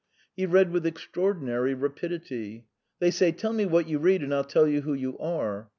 He read with extraordinary rapidity. They say: "Tell me what you read, and I'll tell you who you are."